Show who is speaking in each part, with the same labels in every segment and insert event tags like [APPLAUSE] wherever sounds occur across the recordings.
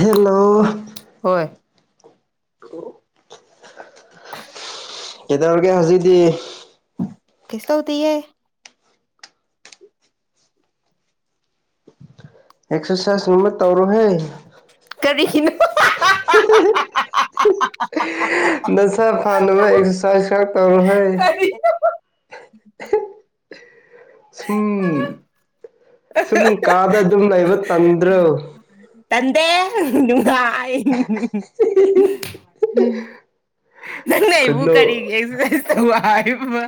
Speaker 1: hello
Speaker 2: ꯍꯣꯏ
Speaker 1: [UNINTELLIGIBLE]
Speaker 2: [UNINTELLIGIBLE]
Speaker 1: ꯀꯩꯗꯧꯔꯒꯦ ꯍꯧꯖꯤꯛꯗꯤ
Speaker 2: ꯀꯤꯁꯨ ꯇꯧꯇꯦꯌꯦ
Speaker 1: ꯑꯦꯛꯁꯔꯁꯥꯏꯁ
Speaker 2: ꯀꯔꯤꯒꯤꯅꯣ
Speaker 1: ꯅꯁꯥ ꯐꯥꯟ ꯑꯦꯛꯁꯔꯁꯥꯏꯁ ꯈꯔ ꯇꯧꯔꯣꯍꯦ [UNINTELLIGIBLE] ꯁꯨꯝ ꯁꯨꯝ ꯀꯥꯗ ꯑꯗꯨꯝ ꯂꯩꯕ ꯇꯟꯗ꯭ꯔꯣ
Speaker 2: ꯇꯟꯗꯦ ꯅꯨꯡꯉꯥꯏ ꯅꯪ ꯑꯩꯕꯨ ꯀꯔꯤꯒꯦ
Speaker 1: ꯈꯨꯅꯣꯛ
Speaker 2: ꯑꯦꯛꯁꯔꯁꯥꯏꯁ ꯇꯧ ꯍꯥꯏꯕ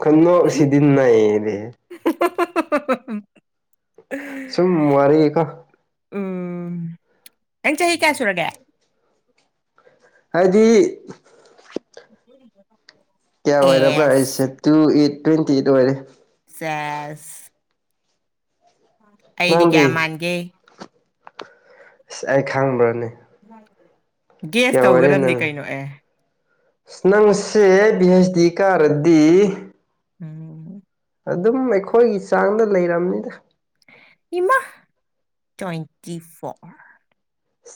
Speaker 1: ꯈꯨꯅꯣꯛ ꯁꯤꯗꯤ ꯅꯩꯔꯦ
Speaker 2: [UNINTELLIGIBLE]
Speaker 1: ꯁꯨꯝ ꯋꯥꯔꯤꯒꯤꯀꯣ
Speaker 2: ꯎꯝ ꯅꯪ ꯆꯍꯤ ꯀꯌꯥ ꯁꯨꯔꯒꯦ
Speaker 1: ꯍꯥꯏꯗꯤ
Speaker 2: [INAUDIBLE]
Speaker 1: ꯀꯌꯥ ꯑꯣꯏꯔꯕ꯭ꯔꯥ ꯑꯩꯁꯦ
Speaker 2: S
Speaker 1: two eight twenty eight ꯑꯣꯏꯔꯦ
Speaker 2: ꯁꯦꯁ ꯑꯩꯗꯤ
Speaker 1: ꯅꯪꯗꯤ
Speaker 2: ꯀꯌꯥ ꯃꯥꯟꯒꯦ
Speaker 1: ꯑꯁ ꯑꯩ ꯈꯥꯡꯕ꯭ꯔꯥꯅꯦ
Speaker 2: ꯒꯦꯁ ꯇꯧꯒ꯭ꯔꯕꯗꯤ
Speaker 1: ꯅꯪ
Speaker 2: ꯀꯩꯅꯣ ꯑꯦ
Speaker 1: ꯅꯪꯁꯦ ꯄꯤ ꯍꯩꯁ ꯗꯤ ꯀꯥꯔꯗꯤ
Speaker 2: ꯎꯝ
Speaker 1: ꯑꯗꯨꯝ ꯑꯩꯈꯣꯏꯒꯤ ꯆꯥꯡꯗ ꯂꯩꯔꯝꯅꯤꯗ
Speaker 2: ꯏꯃꯥ ꯇ꯭ꯋꯦꯟꯇꯤ ꯐꯣꯔ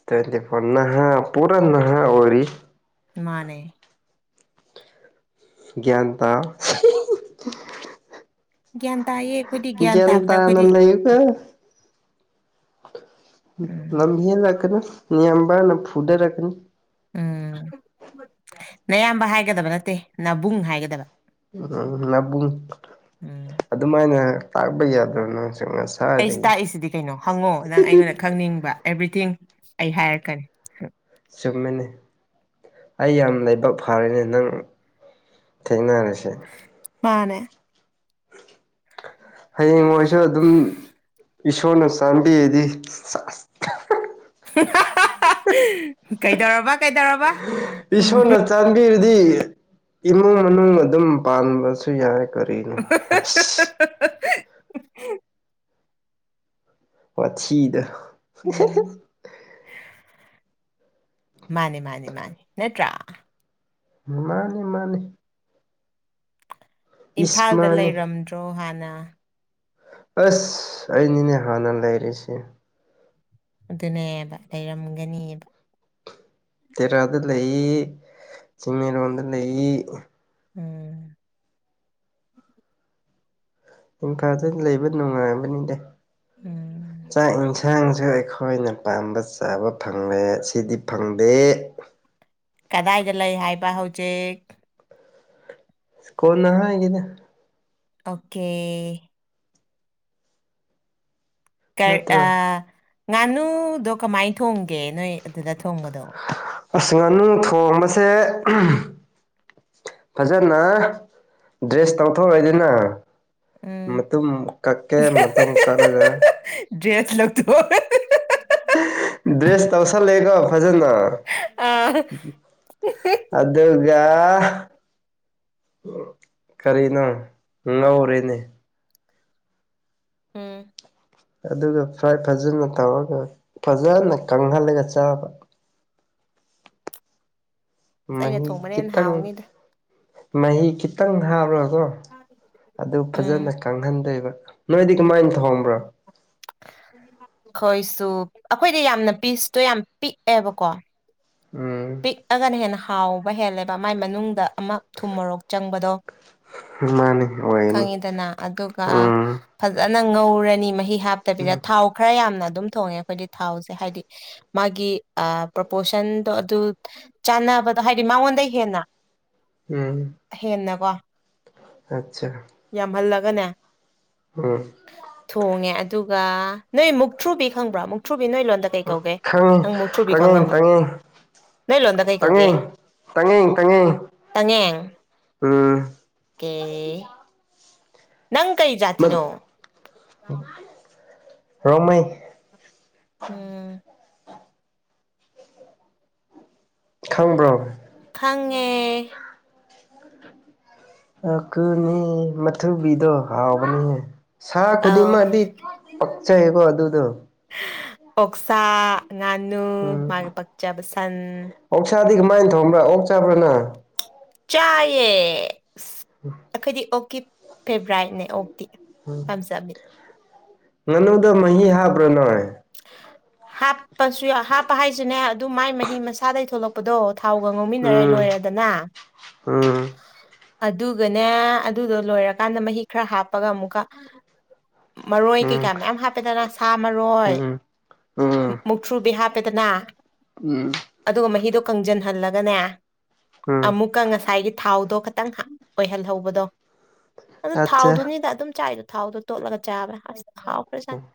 Speaker 1: ꯇ꯭ꯋꯦꯟꯇꯤ ꯐꯣꯔ ꯅꯍꯥ ꯄꯨꯔ ꯅꯍꯥ ꯑꯣꯏꯔꯤ
Speaker 2: ꯃꯥꯅꯦ
Speaker 1: ꯒ꯭ꯌꯥꯟ ꯇꯥꯎ
Speaker 2: ꯒ꯭ꯌꯥꯟ ꯇꯥꯏꯌꯦ ꯑꯩꯈꯣꯏꯗꯤ
Speaker 1: ꯒ꯭ꯌꯥꯟ
Speaker 2: ꯇꯥꯕꯗ
Speaker 1: ꯇꯥꯅ
Speaker 2: ꯑꯩꯈꯣꯏꯗꯤ
Speaker 1: ꯂꯩꯌꯨꯀꯣ
Speaker 2: ꯎꯝ
Speaker 1: ꯂꯝꯍꯦꯜꯂꯛꯀꯅꯨ ꯅꯌꯝꯕꯅ ꯐꯨꯗꯦꯔꯀꯅꯤ
Speaker 2: ꯎꯝ ꯅꯌꯥꯝꯕ ꯍꯥꯏꯒꯗꯕ ꯅꯠꯇꯦ ꯅꯥꯕꯨꯡ ꯍꯥꯏꯒꯗꯕ
Speaker 1: ꯅꯥꯕꯨꯡ
Speaker 2: ꯎꯝ
Speaker 1: ꯑꯗꯨꯃꯥꯏꯅ ꯇꯥꯛꯕ ꯌꯥꯗ꯭ꯔꯥ ꯅꯪ ꯁꯨ
Speaker 2: ꯑꯩꯁꯤ ꯇꯥꯛꯏꯁꯤꯗꯤ ꯀꯩꯅꯣ ꯍꯪꯉꯣ ꯅꯪ ꯑꯩꯉꯣꯟꯗ ꯈꯪꯅꯤꯡꯕ ꯑꯦꯚ꯭ꯔꯤꯊꯤꯡ ꯑꯩ ꯍꯥꯏꯔꯛꯀꯅꯤ
Speaker 1: ꯆꯨꯝꯃꯤꯅꯦ ꯑꯩ ꯌꯥꯝ ꯂꯥꯏꯕꯛ ꯐꯔꯦꯅꯦ ꯅꯪ ꯊꯦꯡꯅꯔꯁꯦ
Speaker 2: ꯃꯥꯅꯦ
Speaker 1: ꯍꯌꯦꯡ ꯃꯣꯏꯁꯨ ꯑꯗꯨꯝ ꯏꯁꯣꯔꯅ ꯁꯥꯟꯕꯤꯔꯗꯤ
Speaker 2: ꯀꯩꯗꯧꯔꯕ ꯀꯩꯗꯧꯔꯕ
Speaker 1: ꯏꯁꯣꯔꯅ ꯆꯥꯟꯕꯤꯔꯗꯤ ꯏꯃꯨꯡ ꯃꯅꯨꯡ ꯑꯗꯨꯝ ꯄꯥꯟꯕꯁꯨ ꯌꯥꯏ ꯀꯔꯤꯅꯣ ꯑꯁ
Speaker 2: [UNINTELLIGIBLE]
Speaker 1: ꯋꯥꯊꯤꯗꯣ
Speaker 2: ꯃꯥꯅꯤ ꯃꯥꯅꯤ ꯃꯥꯅꯤ ꯅꯠꯇ꯭ꯔꯥ
Speaker 1: ꯃꯥꯅꯤ ꯃꯥꯅꯤ
Speaker 2: ꯏꯝꯐꯥꯜꯗ
Speaker 1: ꯏꯁꯃꯥꯅꯤ
Speaker 2: ꯂꯩꯔꯝꯗ꯭ꯔꯣ ꯍꯥꯟꯅ
Speaker 1: ꯑꯁ ꯑꯩꯅꯤꯅꯦ ꯍꯥꯟꯅ ꯂꯩꯔꯤꯁꯦ
Speaker 2: ꯑꯗꯨꯅꯦꯕ ꯂꯩꯔꯝꯒꯅꯤꯕ
Speaker 1: ꯇꯦꯔꯥꯗ ꯂꯩ ꯆꯤꯡꯃꯩꯔꯣꯡꯗ ꯂꯩ
Speaker 2: ꯎꯝ
Speaker 1: ꯏꯝꯐꯥꯜꯗ ꯂꯩꯕ ꯅꯨꯡꯉꯥꯏ ꯕꯅꯤꯗ
Speaker 2: ꯎꯝ
Speaker 1: ꯆꯥꯛ ꯏꯟꯁꯥꯡ ꯌꯦꯟꯁꯥꯡꯁꯨ ꯑꯩꯈꯣꯏꯅ ꯄꯥꯝꯕ ꯆꯥꯕ ꯐꯪꯂꯦ ꯁꯤꯗꯤ ꯐꯪꯗꯦ
Speaker 2: ꯀꯗꯥꯏꯗ ꯂꯩ ꯍꯥꯏꯕ ꯍꯧꯖꯤꯛ
Speaker 1: ꯀꯣꯟꯅ ꯍꯥꯏꯅꯤꯗ
Speaker 2: ꯑꯣꯀꯦ ꯀꯩ ꯑ
Speaker 1: ꯅꯠꯇ꯭ꯔꯣ
Speaker 2: ꯉꯥꯅꯨꯗꯣ ꯀꯃꯥꯏ ꯊꯣꯡꯒꯦ ꯅꯣꯏ ꯑꯗꯨꯗ ꯊꯣꯡꯕꯗꯣ
Speaker 1: ꯑꯁ ꯉꯥꯅꯨ ꯊꯣꯡꯕꯁꯦ ꯐꯖꯅ ꯗ꯭ꯔꯦꯁ ꯇꯧꯊꯣꯡꯑꯗꯅ
Speaker 2: ꯎꯝ
Speaker 1: ꯃꯇꯝꯨ ꯀꯛꯀꯦ ꯃꯇꯝꯨ ꯀꯛꯂꯗ
Speaker 2: ꯗ꯭ꯔꯦꯁ ꯂꯧꯊꯣꯛ
Speaker 1: ꯗ꯭ꯔꯦꯁ ꯇꯧꯁꯜꯂꯦꯀꯣ ꯐꯖꯅ
Speaker 2: ꯑꯥ
Speaker 1: ꯑꯗꯨꯒ ꯀꯔꯤꯅꯣ ꯉꯧꯔꯅꯤ
Speaker 2: ꯎꯝ
Speaker 1: ꯑꯗꯨꯒ ꯐ꯭ꯔꯥꯏ ꯐꯖꯅ ꯇꯧꯔꯒ ꯐꯖꯅ ꯀꯪꯍꯜꯂꯒ ꯆꯥꯕ [UNINTELLIGIBLE]
Speaker 2: ꯑꯩꯅ
Speaker 1: ꯃꯍꯤ
Speaker 2: ꯊꯣꯡꯕꯅꯦꯅ
Speaker 1: ꯈꯤꯇꯪ
Speaker 2: ꯍꯥꯎꯅꯤꯗ
Speaker 1: ꯃꯍꯤ ꯈꯤꯇꯪ ꯍꯥꯥꯞꯔꯒ ꯑꯗꯨ ꯐꯖꯅ
Speaker 2: ꯎꯝ
Speaker 1: ꯀꯪꯍꯟꯗꯣꯏꯕ ꯅꯣꯏꯗꯤ ꯀꯃꯥꯏꯅ ꯊꯣꯡꯕ꯭ꯔꯣ [UNINTELLIGIBLE]
Speaker 2: ꯑꯩꯈꯣꯏꯁꯨ ꯑꯩꯈꯣꯏꯗꯤ ꯌꯥꯝꯅ ꯄꯤꯁꯇꯣ ꯌꯥꯝ ꯄꯤꯛꯑꯦꯕꯀꯣ
Speaker 1: ꯎꯝ
Speaker 2: ꯄꯤꯛꯑꯒꯅ ꯍꯦꯟꯅ ꯍꯥꯎꯕ ꯍꯦꯜꯂꯦꯕ ꯃꯥꯏ ꯃꯅꯨꯡꯗ ꯑꯃ ꯊꯨꯝꯃꯣꯔꯣꯛ ꯆꯪꯕꯗꯣ
Speaker 1: ꯃꯥꯅꯤ ꯑꯣꯏꯅꯤ
Speaker 2: ꯈꯪꯉꯤꯗꯅ ꯑꯗꯨꯒ
Speaker 1: ꯎꯝ
Speaker 2: ꯐꯖꯟ ꯅ ꯉꯧꯔꯅꯤ ꯃꯍꯤ ꯍꯥꯞꯇꯕꯤꯗ
Speaker 1: ꯎꯝ
Speaker 2: ꯊꯥꯎ ꯈꯔ ꯌꯥꯝꯅ ꯑꯗꯨꯝ ꯊꯣꯡꯉꯦ ꯑꯩꯈꯣꯏꯒꯤ ꯊꯥꯎꯁꯦ ꯍꯥꯏꯗꯤ ꯃꯥꯒꯤ ꯄ꯭ꯔꯣꯄꯣꯁꯟꯗꯣ ꯑꯗꯨ ꯆꯥꯟꯅꯕꯗꯣ ꯍꯥꯏꯗꯤ ꯃꯉꯣꯟꯗ ꯍꯦꯟꯅ ꯍꯦꯟꯅꯀꯣ
Speaker 1: ꯑꯆꯥ ꯆꯥ
Speaker 2: ꯌꯥꯝꯍꯜꯂꯒꯅꯦ ꯊꯣꯡꯉꯦ ꯑꯗꯨꯒ ꯅꯣꯏ ꯃꯨꯛꯊ꯭ꯔꯨꯕꯤ ꯈꯪꯕ꯭ꯔꯣ ꯃꯨꯛꯊ꯭ꯔꯨ ꯕꯤ ꯅꯣꯏ ꯂꯣꯟꯗ ꯀꯩ ꯀꯧꯒꯦ
Speaker 1: ꯈꯪꯉꯤ
Speaker 2: ꯅꯪ ꯃꯨꯛꯊꯨꯔꯕꯤ
Speaker 1: ꯇꯪꯉꯦꯡ
Speaker 2: ꯈꯪꯉꯝꯅꯤ
Speaker 1: ꯇꯪꯉꯦꯡ
Speaker 2: ꯅꯣꯏ ꯂꯣꯟꯗ ꯀꯩ ꯀꯧꯒꯦ
Speaker 1: ꯇꯪꯉꯦꯡ ꯇꯪꯉꯦꯡ ꯇꯪꯉꯦꯡ
Speaker 2: ꯇꯪꯌꯦꯡ
Speaker 1: ꯎꯝ
Speaker 2: ꯀꯦ ꯅꯪ ꯀꯩ
Speaker 1: ꯃꯠ
Speaker 2: ꯖꯥꯇꯤꯅꯣ
Speaker 1: ꯔꯣꯡꯃꯩ
Speaker 2: ꯎꯝ
Speaker 1: ꯈꯪꯕ꯭ꯔꯣ
Speaker 2: ꯈꯪꯉꯦ
Speaker 1: ꯑ ꯀꯅꯤ ꯃꯊꯨꯕꯤꯗꯣ ꯍꯥꯎꯕꯅꯤꯅꯦ ꯁꯥ
Speaker 2: ꯑꯧ
Speaker 1: ꯈꯨꯗꯤꯡꯃꯗꯤ ꯄꯛꯆꯩꯀꯣ ꯑꯗꯨꯗꯣ
Speaker 2: ꯑꯣꯛꯁꯥ ꯉꯥꯅꯨ
Speaker 1: ꯎꯝ
Speaker 2: ꯃꯥꯒꯤ ꯄꯥꯛꯆꯕ ꯁꯟ
Speaker 1: ꯑꯣꯛꯁꯥꯗꯤ ꯀꯃꯥꯏꯅ ꯊꯣꯡꯕ꯭ꯔꯥ ꯑꯣꯛ ꯆꯥꯕ꯭ꯔꯥ ꯅꯥ
Speaker 2: ꯆꯥꯏꯌꯦ ꯑꯁ ꯑꯩꯈꯣꯏꯗꯤ ꯑꯣꯀꯤ ꯐꯦꯕ꯭ꯔꯥꯏꯠꯅꯦ ꯑꯣ ꯄꯝꯖꯕꯤ
Speaker 1: ꯉꯅꯨꯗ ꯃꯍꯤ ꯍꯥꯞꯕ꯭ꯔ ꯅꯣꯏ
Speaker 2: ꯍꯥꯞꯄꯁꯨ ꯌꯥ ꯍꯥꯞꯄ ꯍꯥꯏꯁꯨꯅꯦ ꯑꯗꯨ ꯃꯥꯏ ꯃꯍꯤ ꯃꯁꯥꯗꯩ ꯊꯣꯛꯂꯛꯄꯗꯣ ꯊꯥꯎꯒ ꯉꯧꯃꯤꯟꯅꯔꯦ
Speaker 1: ꯎꯝ
Speaker 2: ꯂꯣꯏꯔꯦꯗꯅ
Speaker 1: ꯎꯝ
Speaker 2: ꯑꯗꯨꯒꯅꯦ ꯑꯗꯨꯗꯣ ꯂꯣꯏꯔꯀꯥꯟꯗ ꯃꯍꯤ ꯈꯔ ꯍꯥꯞꯄꯒ ꯑꯃꯨꯛꯀ ꯃꯔꯣꯏ
Speaker 1: ꯎꯝ
Speaker 2: ꯀꯩꯀꯥ ꯃꯌꯥꯝ ꯍꯥꯞꯄꯦꯗꯅ ꯁꯥ ꯃꯔꯣꯏ
Speaker 1: ꯎꯝ
Speaker 2: ꯃꯨꯛꯊ꯭ꯔꯨꯕꯤ ꯍꯥꯞ ꯄꯦꯗꯅ
Speaker 1: ꯎꯝ ꯎꯝ
Speaker 2: ꯑꯗꯨꯒ ꯃꯍꯤꯗꯣ ꯀꯪꯁꯤꯟꯍꯜꯂꯒꯅꯦ
Speaker 1: ꯎꯝ
Speaker 2: ꯑꯃꯨꯛꯀ ꯉꯁꯥꯏꯒꯤ ꯊꯥꯎꯗꯣ ꯈꯇꯪ ꯍꯥ ꯑꯣꯏꯍꯜꯍꯧꯕꯗꯣ ꯑꯗꯨ
Speaker 1: ꯑꯠꯆꯥ
Speaker 2: ꯊꯥꯎꯗꯨꯅꯤꯗ ꯑꯗꯨꯝ ꯆꯥꯏꯗꫭ ꯊꯥꯎꯗꯣ ꯇꯣꯠꯂꯒ ꯆꯥꯕ꯭ꯔ ꯑꯁ ꯍꯥꯎꯈ꯭ꯔ ꯖꯥꯠꯅꯤ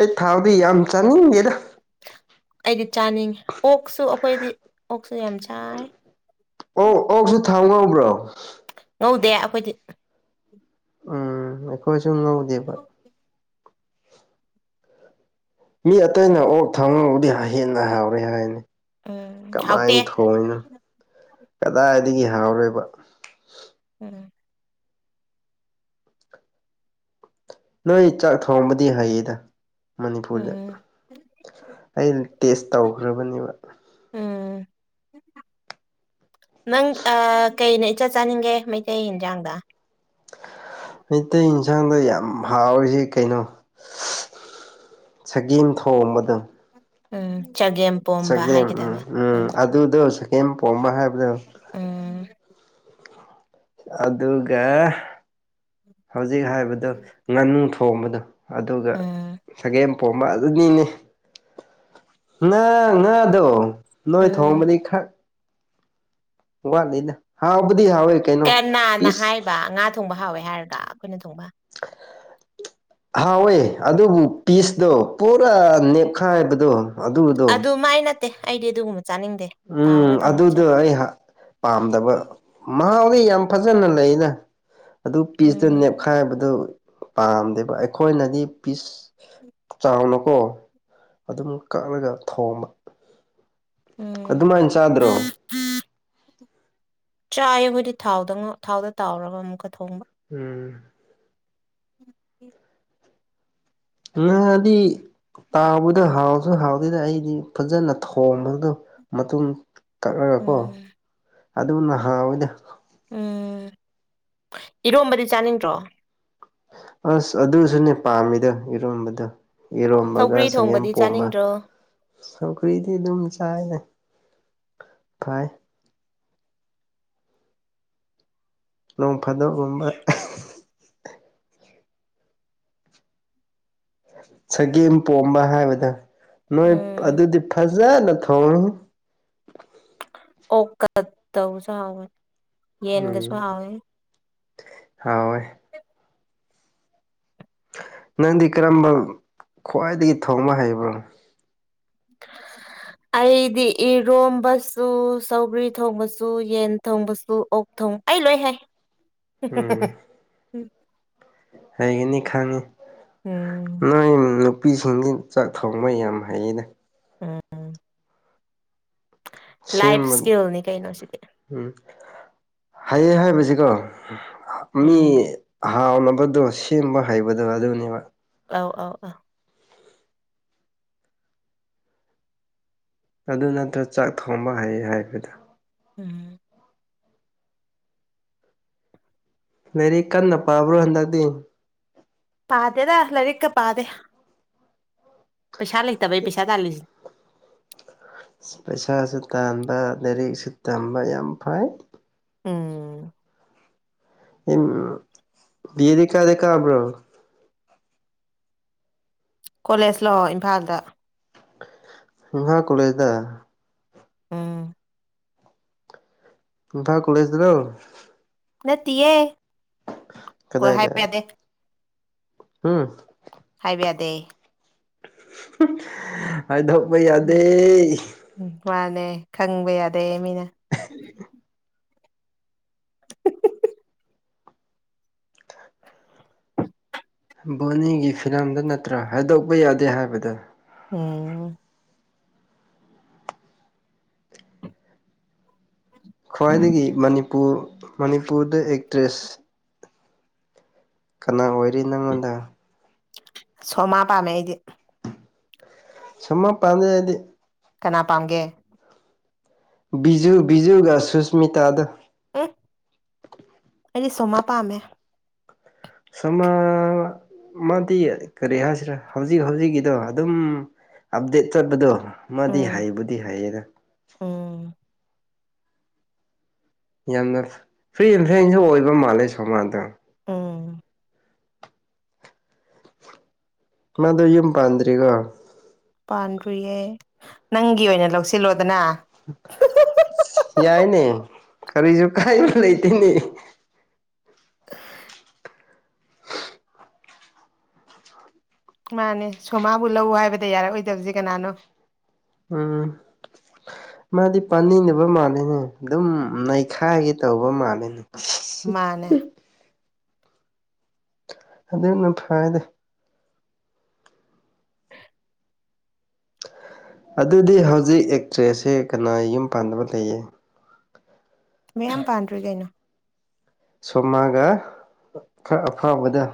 Speaker 1: ꯑꯩ ꯊꯥꯎꯗꯤ ꯌꯥꯝ ꯆꯥꯅꯤꯡꯗꯦꯗ
Speaker 2: ꯑꯩꯗꯤ ꯆꯥꯅꯤꯡꯉꯤ ꯑꯣꯛꯁꯨ ꯑꯩꯈꯣꯏꯗꯤ ꯑꯣꯛꯁꯨ ꯌꯥꯝ ꯆꯥꯏ
Speaker 1: ꯑꯣ ꯑꯣꯛꯁꯨ ꯊꯥꯎ ꯉꯧꯕ꯭ꯔꯣ
Speaker 2: ꯉꯧꯗꯦ ꯑꯩꯈꯣꯏꯗꯤ
Speaker 1: ꯑꯩꯈꯣꯏ ꯁꯨ ꯉꯧꯗꯦꯕ ꯃꯤ ꯑꯇꯩꯅ ꯑꯣꯛ ꯊꯪꯉꯕꯨꯗꯤ ꯍꯦꯟꯅ ꯍꯥꯎꯔꯦ ꯍꯥꯏꯅꯦ
Speaker 2: ꯎꯝ ꯍꯥꯎꯇꯦ
Speaker 1: ꯀꯃꯥꯏꯅ ꯊꯣꯡꯏꯅꯣ ꯀꯗꯥꯏꯗꯒꯤ ꯍꯥꯎꯔꯣꯏꯕ
Speaker 2: ꯎꯝ
Speaker 1: ꯅꯣꯏ ꯆꯥꯛ ꯊꯣꯡꯕꯗꯤ ꯍꯩꯌꯦꯗ ꯃꯅꯤꯄꯨꯔꯗ
Speaker 2: ꯎꯝ
Speaker 1: ꯑꯩ ꯇꯦꯁ ꯇꯧꯈ꯭ꯔꯕꯅꯦꯕ
Speaker 2: ꯎꯝ
Speaker 1: [INAUDIBLE]
Speaker 2: ꯅꯪ ꯑ ꯀꯩꯅ ꯏꯆꯥ ꯆꯥꯅꯤꯡꯒꯦ ꯃꯩꯇꯩ ꯌꯦꯟꯖꯥꯡꯗ
Speaker 1: ꯃꯩꯇꯩ ꯏꯟꯁꯥꯡꯗ ꯌꯥꯝ ꯍꯥꯎꯔꯤꯁꯤ ꯀꯩꯅꯣ ꯁꯒꯦꯝ ꯊꯣꯡꯕꯗꫭ
Speaker 2: ꯎꯝ ꯆꯒꯦꯝꯄꯣꯝꯕ
Speaker 1: ꯎꯝ
Speaker 2: ꯍꯥꯏꯒꯗꯕ ꯎꯝ
Speaker 1: ꯑꯗꯨꯗꯣ ꯆꯒꯦꯝ ꯄꯣꯝꯕ ꯍꯥꯏꯕꯗꯣ
Speaker 2: ꯎꯝ
Speaker 1: ꯑꯗꯨꯒ ꯍꯧꯖꯤꯛ ꯍꯥꯏꯕꯗꯣ ꯉꯥꯅꯨ ꯊꯣꯡꯕꯗꯣ ꯑꯗꯨꯒ
Speaker 2: ꯎꯝ
Speaker 1: ꯁꯒꯦꯝ ꯄꯣꯝꯕ ꯑꯗꯨꯅꯤꯅꯤ ꯉꯥ ꯉꯥꯗꯣ ꯅꯣꯏ
Speaker 2: ꯎꯝ
Speaker 1: ꯊꯣꯡꯕꯗꯤ ꯈꯔ ꯋꯥꯂꯤꯗ ꯍꯥꯎꯕꯨꯗꯤ ꯍꯥꯥꯎꯏ ꯀꯩꯅꫭ
Speaker 2: ꯀꯅꯥꯅ
Speaker 1: ꯄꯤꯁ
Speaker 2: ꯍꯥꯏꯕ ꯉꯥ ꯊꯣꯡꯕ ꯍꯥꯎꯋꯦ ꯍꯥꯏꯔꯒ ꯑꯩꯈꯣꯏꯅ ꯊꯣꯡꯕ
Speaker 1: [INAUDIBLE] ꯍꯥꯎꯋꯦ ꯑꯗꯨꯕꯨ ꯄꯤꯁꯇꯣ ꯄꯨꯔꯥ ꯅꯦꯛꯈꯥꯏꯕꯗꯣ
Speaker 2: ꯑꯗꯨ ꯃꯥꯏ ꯅꯠꯇꯦ ꯑꯩꯗꯤ ꯑꯗꯨꯒꯨꯝꯕ ꯆꯥꯅꯤꯡꯗꯦ
Speaker 1: ꯎꯝ
Speaker 2: ꯇꯥꯎꯔ ꯊꯣꯡꯕ
Speaker 1: ꯑꯗꯨꯗꯣ
Speaker 2: ꯆꯥꯏ
Speaker 1: ꯑꯩ ꯍꯥ ꯄꯥꯝꯗꯕ ꯃꯍꯥꯎꯗꯤ ꯌꯥꯝ ꯐꯖꯅ ꯂꯩꯅ ꯑꯗꯨ ꯄꯤꯁꯇꯨ
Speaker 2: ꯎꯝ
Speaker 1: ꯅꯦꯞꯈꯥꯏꯕꯗꯨ ꯄꯥꯝꯗꯦꯕ ꯑꯩꯈꯣꯏꯅꯗꯤ ꯄꯤꯁ ꯆꯥꯎꯅꯀꯣ ꯑꯗꯨꯝ ꯀꯛꯂꯒ ꯊꯣꯡꯕ
Speaker 2: ꯎꯝ
Speaker 1: ꯑꯗꯨꯃꯥꯏꯅ ꯆꯥꯗ꯭ꯔꯣ
Speaker 2: ꯆꯥꯏ ꯈꯣꯏꯗꯤ ꯊꯥꯎꯗ ꯉꯧ ꯊꯥꯎꯗ ꯇꯥꯎꯔꯒ ꯑꯃꯨꯛꯀ ꯊꯣꯡ
Speaker 1: ꯎꯝ
Speaker 2: [INAUDIBLE]
Speaker 1: ꯉꯥ ꯗꯤ ꯇꯥꯎꯕꯗꯨ ꯍꯥꯎꯁꯨ ꯍꯥꯎꯗꯦꯗ ꯑꯩꯗꯤ ꯐꯖꯅ ꯊꯣꯡꯕꯗꯨ ꯃꯇꯨꯡ ꯀꯛꯂꯒꯀꯣ
Speaker 2: ꯎꯝ
Speaker 1: ꯑꯗꯨꯅ ꯍꯥꯎꯋꯤꯗ
Speaker 2: ꯎꯝ ꯏꯔꯣꯝꯕꯗꯤ ꯆꯥꯅꯤꯡꯗ꯭ꯔꯣ
Speaker 1: ꯑꯁ ꯑꯗꯨꯁꯨꯅꯦ ꯄꯥꯝꯃꯤꯗ ꯏꯔꯣꯟꯝꯕꯗ ꯏꯔꯣꯝꯕꯒ
Speaker 2: ꯁꯧꯒ꯭ꯔꯤ
Speaker 1: ꯆꯒꯦꯝ
Speaker 2: ꯊꯣꯡꯕꯗꯤ
Speaker 1: ꯄꯣꯝꯕ
Speaker 2: ꯆꯥꯅꯤꯡꯗ꯭ꯔꯣ
Speaker 1: ꯁꯀꯔꯤꯗꯤ ꯑꯗꯨꯝ ꯆꯥꯏ ꯐꯥꯏ ꯅꯣꯡ ꯐꯥꯗꯕꯒꯨꯝꯕ ꯆꯒꯦꯝ ꯄꯣꯝꯕ ꯍꯥꯏꯕꯗ ꯅꯣꯏ
Speaker 2: ꯎꯝ
Speaker 1: ꯑꯗꯨꯗꯤ ꯐꯥꯔꯁ ꯐꯖ ꯅ ꯊꯣꯡ
Speaker 2: ꯑꯣꯀ ꯇꯧꯁꯨꯥꯎ ꯌꯦꯟꯒꯁꯨ ꯍꯦ
Speaker 1: ꯍ
Speaker 2: [INAUDIBLE]
Speaker 1: ꯅꯪꯗꯤ ꯀꯔꯝꯕ ꯈ꯭ꯋꯥꯏꯗꯒꯤ ꯊꯣꯡꯕ ꯍꯩꯕꯅꯣꯣ [INAUDIBLE]
Speaker 2: ꯑꯩꯗꯤ ꯏꯔꯣꯝꯕꯁꯨ ꯁꯧꯒ꯭ꯔꯤ ꯊꯣꯡꯕꯁꯨ ꯌꯦꯟ ꯊꯣꯡꯕꯁꯨ ꯑꯣꯛ ꯊꯣꯡ ꯑꯩ ꯂꯣꯏ ꯍꯥꯏ
Speaker 1: ꯎꯝ
Speaker 2: ꯎ
Speaker 1: ꯍꯩꯒꯅꯤ ꯈꯪꯉꯤ
Speaker 2: ꯎꯝ
Speaker 1: ꯅꯣꯏ ꯅꯨꯄꯤꯁꯤꯡ ꯆꯥꯛ ꯊꯣꯡꯕ ꯌꯥꯝ ꯍꯩꯌꯦꯩꯅ
Speaker 2: ꯎꯝ ꯂꯥꯏꯐ
Speaker 1: ꯁꯤꯃ
Speaker 2: ꯏꯁꯀꯤꯜꯅꯤ ꯀꯩꯅꯣꯁꯤꯗꯤ
Speaker 1: ꯎꯝ ꯍꯥꯏꯌꯦ ꯍꯥꯏꯕꯁꯤꯀꯣ ꯃꯤ
Speaker 2: ꯎꯝ
Speaker 1: ꯍꯥꯎꯅꯕꯗꯣ ꯁꯦꯝꯕ ꯍꯩꯕꯗꯣ ꯑꯗꯨꯅꯦꯕ
Speaker 2: ꯑꯥꯎ ꯑꯥꯎ ꯑꯥꯎ
Speaker 1: ꯑꯗꯨ ꯅꯠꯇ꯭ꯔꯒ ꯆꯥꯛ ꯊꯣꯡꯕ ꯍꯩ ꯍꯥꯏꯕꯗ
Speaker 2: ꯎꯝ
Speaker 1: ꯂꯥꯏꯔꯤꯛ ꯀꯟꯅ ꯄꯥꯕ꯭ꯔꯣ ꯍꯟꯗꯛꯇꯤ
Speaker 2: ꯄꯥꯗꯦꯗ ꯂꯔꯤꯛꯀ ꯄꯥꯗꯦ ꯄꯩꯁꯥ ꯂꯩꯇꯕꯩ ꯄꯩꯁꯥ ꯇꯥꯂꯤꯁꯤꯅꯤ
Speaker 1: ꯄꯩꯁꯥꯁꯨ ꯇꯥꯟꯕ ꯂꯥꯏꯔꯤꯛꯁꯨ ꯇꯝꯕ ꯌꯥꯝ ꯐꯩ
Speaker 2: ꯎꯝ
Speaker 1: ꯎꯝ ꯗꯤ ꯀꯗ ꯀꯕ꯭ꯔꯣ
Speaker 2: ꯀꯣꯂꯦꯖ ꯂꫭ ꯏꯝꯐꯥꯜꯗ
Speaker 1: ꯏꯐꯥꯜ ꯀꯂꯦꯖꯗ
Speaker 2: ꯎꯝ
Speaker 1: ꯏꯝꯐꯥꯜ ꯀꯂꯁꯗꯗꯣ
Speaker 2: ꯅꯠꯇꯤꯌꯦ ꯀꯣꯏ
Speaker 1: ꯀꯗꯥꯏꯗꯥ
Speaker 2: ꯍꯥꯏꯕ ꯌꯥꯗꯦ
Speaker 1: ꯍꯝ
Speaker 2: ꯍꯥꯏꯕ ꯌꯥꯗꯦ
Speaker 1: ꯍꯥꯏꯗꯣꯛꯄ ꯌꯥꯗꯦ
Speaker 2: ꯅꯦ ꯈꯪꯕ ꯌꯥꯗꯦ ꯃꯤꯅ
Speaker 1: ꯕꯣꯅꯤꯒꯤ ꯐꯤꯂꯝꯗ ꯅꯠꯇ꯭ꯔꯣ ꯍꯥꯏꯗꯣꯛꯄ ꯌꯥꯗꯦ ꯍꯥꯏꯕꯗ
Speaker 2: ꯎꯝ
Speaker 1: ꯈ꯭ꯋꯥꯏꯗꯒꯤ ꯃꯅꯤꯄꯨꯔ ꯃꯅꯤꯄꯨꯔꯗ ꯑꯦꯛꯇ꯭ꯔꯦꯁ ꯀꯅꯥ ꯑꯣꯏꯔꯤ ꯅꯪꯉꯣꯟꯗ
Speaker 2: ꯁꯣꯃꯥ ꯄꯥꯝꯃꯦ ꯑꯩꯗꯤ
Speaker 1: ꯁꫭꯝꯃ ꯄꯝꯗ‌ꯦ ꯑꯩꯗꯤ
Speaker 2: ꯀꯅꯥ ꯄꯥꯝꯒꯦ
Speaker 1: ꯕꯤꯖꯨ ꯕꯤꯖꯨꯒ ꯁꯨꯁꯃꯤꯇꯥꯗꫭ
Speaker 2: ꯑꯩꯗꯤ ꯁꫭꯝꯃꯥ ꯄꯝꯃ‌ꯦ
Speaker 1: ꯁꫭꯝꯃꯔꯥ ꯃꯥꯗꯤ ꯀꯔꯤ ꯍꯥꯏꯁꯤꯔꯥ ꯍꯧꯖꯤꯛ ꯍꯧꯖꯤꯛꯀꯤꯗꯣ ꯑꯗꯨꯝ ꯑꯞꯗꯦꯠ ꯆꯠꯄꯗꯣ ꯃꯥꯗꯤ
Speaker 2: ꯎꯝ
Speaker 1: ꯍꯥꯏꯕꯨꯗꯤ ꯍꯥꯏꯌꯦꯗ
Speaker 2: ꯎꯝ
Speaker 1: ꯌꯥꯝꯅ ꯐ꯭ꯔꯤ ꯑꯦꯟ ꯐ꯭ꯔꯦꯡꯁꯨ ꯑꯣꯏꯕ ꯃꯥꯜꯂꯦ ꯁꯣꯃꯥꯗꯣ
Speaker 2: ꯎꯝ
Speaker 1: ꯃꯗꯣ ꯌꯨꯝ ꯄꯥꯟꯗ꯭ꯔꯤꯀꯣ
Speaker 2: ꯄꯥꯟꯗ꯭ꯔꯤꯌꯦ ꯅꯪꯒꯤ ꯑꯣꯏꯅ ꯂꯧꯁꯤꯜꯂꯣꯗꯅ
Speaker 1: ꯌꯥꯏꯅꯦ ꯀꯔꯤꯁꯨ ꯀꯥꯏꯕ ꯂꯩꯇꯦꯅꯦ
Speaker 2: [INAUDIBLE] ꯃꯥꯅꯦ ꯁꯣꯃꯥꯕꯨ ꯂꯧ ꯍꯥꯏꯕꯗ ꯌꯥꯔꯛꯑꯣꯏꯗꯕꯁꯤ ꯀꯅꯥꯅꯣ
Speaker 1: ꯎꯝ ꯃꯥꯗꯤ ꯄꯥꯅꯤꯡꯗꯕ ꯃꯥꯜꯂꯤꯅꯦ ꯑꯗꯨꯝ ꯅꯩꯈꯥꯏꯒꯦ ꯇꯧꯕ ꯃꯥꯜꯂꯤꯅꯦ
Speaker 2: ꯃꯥꯅꯦ
Speaker 1: ꯑꯗꯨꯅ ꯐꯥꯔꯦꯗ ꯑꯗꯨꯗꯤ ꯍꯧꯖꯤꯛ ꯑꯦꯛꯇ꯭ꯔꯦꯁꯁꯦ ꯀꯅꯥ ꯌꯨꯝ ꯄꯥꯟꯗꯕ ꯂꯩꯌꯦ
Speaker 2: ꯃꯌꯥꯝ ꯄꯥꯟꯗ꯭ꯔꯤ ꯀꯩꯅꯣ
Speaker 1: ꯁꯣꯃꯥꯒ ꯈꯔ ꯑꯐꯥꯎꯕꯗ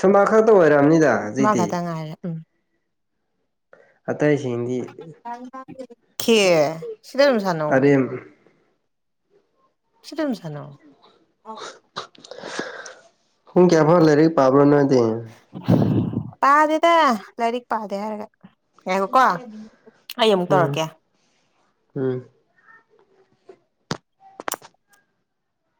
Speaker 1: ꯁꯣꯃꯥꯈꯛꯇ ꯑꯣꯏꯔꯝꯅꯤꯗ
Speaker 2: ꯃꯥ
Speaker 1: ꯍꯧꯖꯤꯛꯇꯤ
Speaker 2: ꯈꯛꯇ ꯉꯥꯏꯔꯦ ꯎꯝ
Speaker 1: ꯑꯇꯩꯁꯤꯡꯗꯤ
Speaker 2: ꯀꯦ ꯁꯤꯗ ꯑꯗꯨꯝ ꯁꯥꯟꯅꯧ ꯀꯩꯅꯣ
Speaker 1: ꯑꯔꯦꯝ
Speaker 2: ꯁꯤꯗ ꯑꯗꯨꯝ ꯁꯥꯅꯧ
Speaker 1: ꯄꯨꯡ ꯀꯌꯥꯕꯧ ꯂꯥꯏꯔꯤꯛ ꯄꯥꯕ꯭ꯔꯣ ꯅꯣꯏꯗꯤ
Speaker 2: ꯄꯥꯗꯦꯗ ꯂꯥꯏꯔꯤꯛ ꯄꯥꯗꯦ ꯍꯥꯏꯔꯒ ꯉꯥꯏꯈꯣꯀꯣ ꯑꯩ ꯑꯃꯨꯛ
Speaker 1: ꯎꯝ
Speaker 2: ꯇꯧꯔꯛꯀꯦ
Speaker 1: ꯎꯝ